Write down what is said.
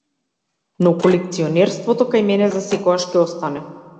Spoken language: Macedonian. Но колекционерството кај мене засекогаш ќе остане.